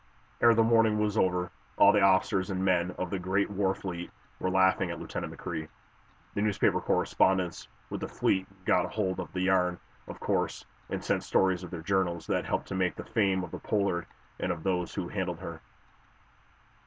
Ere the morning was over all the officers and men of the great war fleet were laughing at Lieutenant McCrea. The newspaper correspondents with the fleet got hold of the yarn, of course, and sent stories to their journals that helped to make the fame of the "Pollard" and of those who handled her.